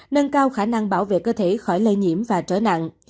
nâng cao khả năng bảo vệ cơ thể khỏi lây nhiễm và trở nặng